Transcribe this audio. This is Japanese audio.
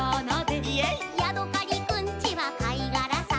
「ヤドカリくんちはかいがらさ」